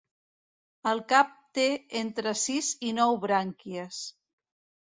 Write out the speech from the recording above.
El cap té entre sis i nou brànquies.